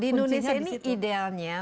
di indonesia ini idealnya